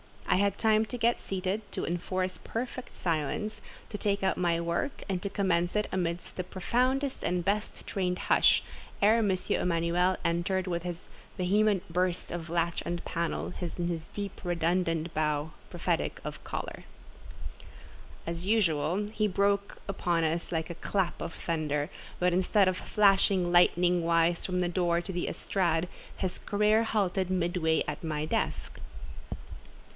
I had time to get seated, to enforce perfect silence, to take out my work, and to commence it amidst the profoundest and best trained hush, ere M. Emanuel entered with his vehement burst of latch and panel, and his deep, redundant bow, prophetic of choler. As usual he broke upon us like a clap of thunder; but instead of flashing lightning wise from the door to the estrade, his career halted midway at my desk.